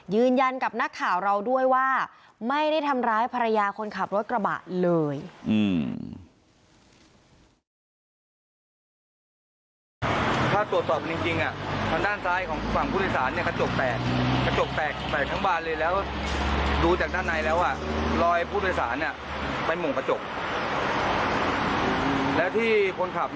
ยืนยันกับนักข่าวเราด้วยว่าไม่ได้ทำร้ายภรรยาคนขับรถกระบะเลย